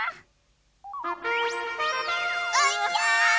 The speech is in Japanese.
うっひゃ！